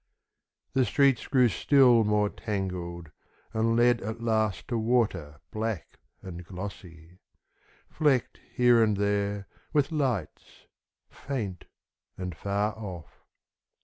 ... The streets grew still more tangled, And led at last to water black and glossy, Flecked here and there with lights, faint and far off.